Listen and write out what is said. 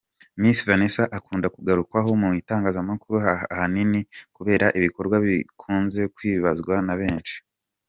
Miss Vanessa akunze kugarukwaho mu itangazamakuru ahanini kubera ibikorwa bye bikunze kwibazwaho na benshi.